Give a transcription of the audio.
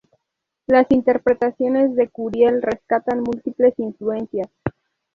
Las interpretaciones de Curiel rescatan múltiples influencias.